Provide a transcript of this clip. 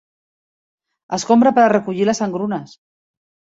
Escombra per a recollir les engrunes.